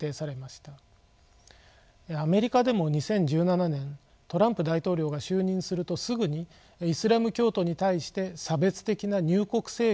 アメリカでも２０１７年トランプ大統領が就任するとすぐにイスラム教徒に対して差別的な入国制限を打ち出しました。